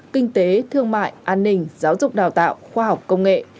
kinh tế thương mại an ninh giáo dục đào tạo khoa học công nghệ